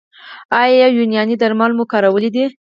ایا یوناني درمل مو کارولي دي؟